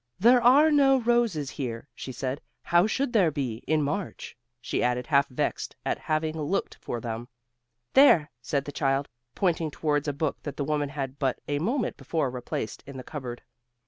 "There are no roses here," she said. "How should there be, in March?" she added, half vexed at having looked for them. "There," said the child, pointing towards a book that the woman had but a moment before replaced in the cup board.